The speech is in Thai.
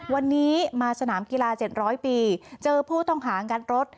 วันนี้มาสนามกีฬา๗๐๐ปีเจอผู้ต้องหางัดรถ